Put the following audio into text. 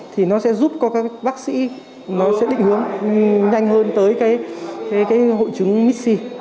thì nó sẽ giúp các bác sĩ định hướng nhanh hơn tới hội trứng mixi